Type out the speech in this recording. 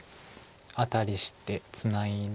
アタリしてツナいで。